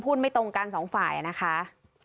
ไม่ตรงกันสองฝ่ายนะคะ